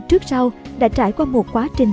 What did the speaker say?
trước sau đã trải qua một quá trình